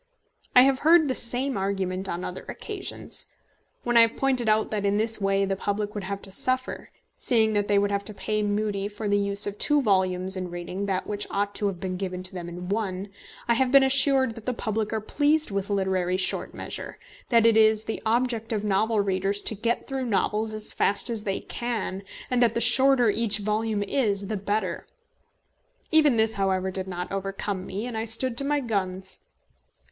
I have heard the same argument on other occasions. When I have pointed out that in this way the public would have to suffer, seeing that they would have to pay Mudie for the use of two volumes in reading that which ought to have been given to them in one, I have been assured that the public are pleased with literary short measure, that it is the object of novel readers to get through novels as fast as they can, and that the shorter each volume is the better! Even this, however, did not overcome me, and I stood to my guns.